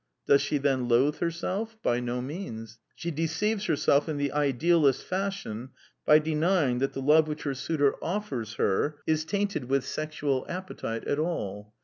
Does she then loathe herself ? By no means : she deceives herself in the idealist fashion by denying that the love which her suitor offers her is tainted with 42 The Quintessence of Ibsenism sexual appetite at all.